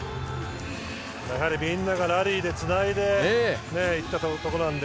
みんながラリーでつないでいったところなので。